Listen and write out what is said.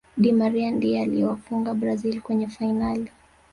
di Maria ndiye aliyewafunga brazil kwenye fainali